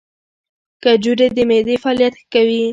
کجورې د معدې فعالیت ښه کوي.